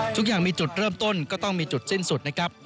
ทุกอย่างมีจุดเริ่มต้นก็ต้องมีจุดสิ้นสุดนะครับ